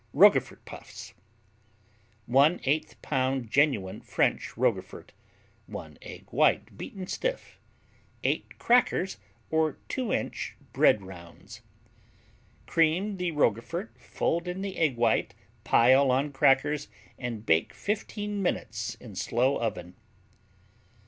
Roquefort Puffs 1/8 pound genuine French Roquefort 1 egg white, beaten stiff 8 crackers or 2 inch bread rounds Cream the Roquefort, fold in the egg white, pile on crackers and bake 15 minutes in slow oven.